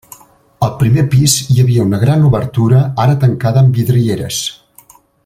Al primer pis hi havia una gran obertura ara tancada amb vidrieres.